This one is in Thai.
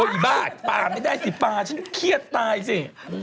อีกบาทปลาไม่ได้สิปลาฉันเครียดตายสิ